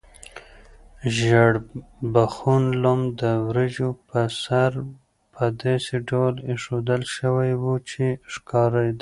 ژیړبخون لم د وریجو په سر په داسې ډول ایښودل شوی و چې ښکارېده.